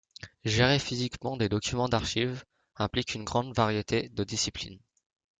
Gérer physiquement des documents d’archives implique une grande variété de disciplines.